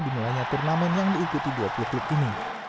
dimulainya turnamen yang diikuti dua puluh klub ini